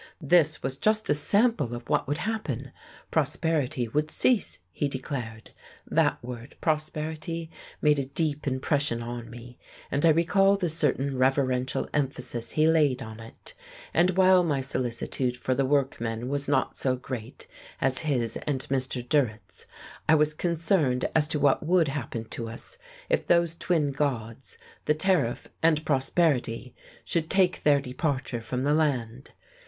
This was just a sample of what would happen. Prosperity would cease, he declared. That word, Prosperity, made a deep impression on me, and I recall the certain reverential emphasis he laid on it. And while my solicitude for the workmen was not so great as his and Mr. Durrett's, I was concerned as to what would happen to us if those twin gods, the Tariff and Prosperity, should take their departure from the land.